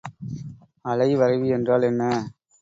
அலைவரைவி என்றால் என்ன?